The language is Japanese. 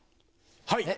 はい！